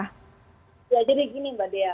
ya jadi gini mbak dea